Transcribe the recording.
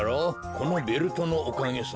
このベルトのおかげさ。